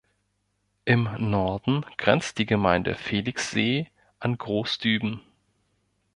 Im Norden grenzt die Gemeinde Felixsee an Groß Düben.